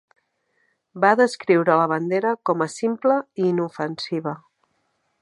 Va descriure la bandera com a simple i inofensiva.